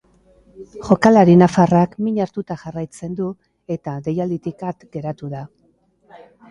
Jokalari nafarrak min hartuta jarraitzen du, eta deialditik at geratu da.